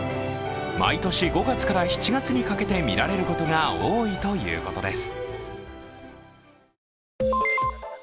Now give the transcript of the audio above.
毎年５月から７月にかけて見られることが多いということです。